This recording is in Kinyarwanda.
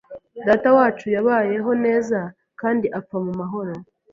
Datawacu yabayeho neza kandi apfa mu mahoro.